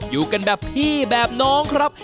อยู่กันแบบพี่แบบน้องครับ